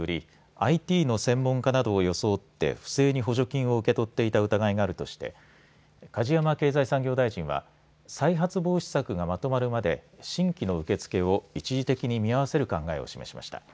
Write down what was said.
ＩＴの専門家などを装って不正に補助金を受け取っていた疑いがあるとして梶山経済産業大臣は再発防止策がまとまるまで新規の受け付けを一時的に見合わせる考えを示しました。